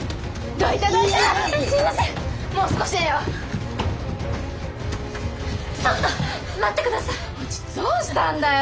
どうしたんだよ！？